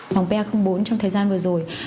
phòng pa bốn trong thời gian vừa rồi